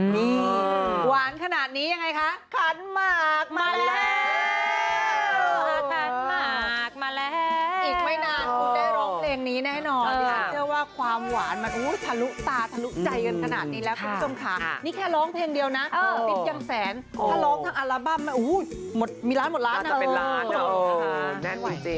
นี่หวานขนาดนี้ยังไงคะ